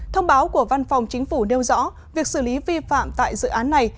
thông báo của văn phòng chính phủ nêu rõ việc xử lý vi phạm tại dự án này